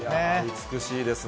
美しいですね。